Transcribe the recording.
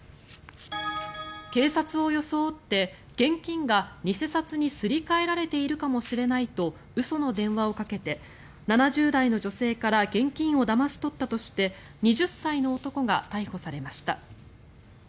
警察を装って現金が偽札にすり替えられているかもしれないと嘘の電話をかけて７０代の女性から現金をだまし取ったとして２０歳の男が逮捕されました。